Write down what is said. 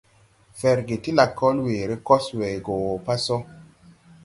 Ferge ti lakol weere kos we go pa so.